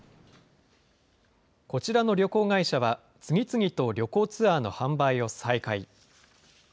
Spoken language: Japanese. こちらの旅行会社は、次々と旅行ツアーの販売を再開。